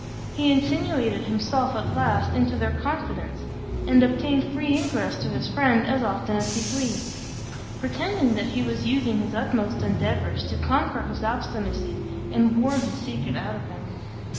He insinuated himself at last into their confidence, and obtained free ingress to his friend as often as he pleased; pretending that he was using his utmost endeavours to conquer his obstinacy and worm his secret out of him.